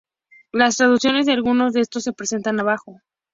Las traducciones de algunos de estos se presentan abajo.